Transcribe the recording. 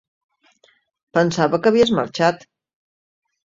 Pensava que havies marxat.